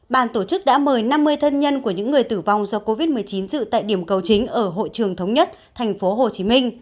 bàn tổ chức đã mời năm mươi thân nhân của những người tử vong do covid một mươi chín dự tại điểm cầu chính ở hội trường thống nhất tp hcm